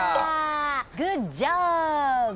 グッジョブ！